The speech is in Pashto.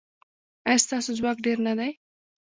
ایا ستاسو ځواک ډیر نه دی؟